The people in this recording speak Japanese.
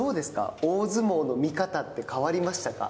大相撲の見方って変わりましたか。